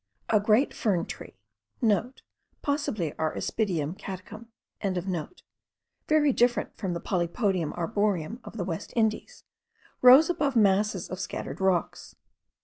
A great fern tree,* (* Possibly our Aspidium caducum.) very different from the Polypodium arboreum of the West Indies, rose above masses of scattered rocks.